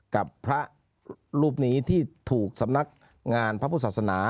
กับพระรูปนี้ที่ถูกสำนักงานพระพุทธศาสนา